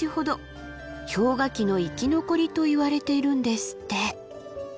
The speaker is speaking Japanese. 氷河期の生き残りといわれているんですって。